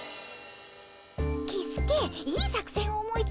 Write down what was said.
キスケいい作戦を思いついたよ。